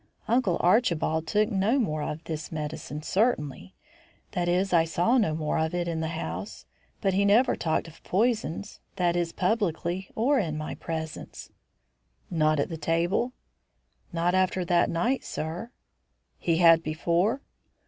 "Uncle Archibald took no more of this medicine, certainly. That is, I saw no more of it in the house. But he never talked of poisons, that is, publicly or in my presence." "Not at the table?" "Not after that night, sir." "He had before?"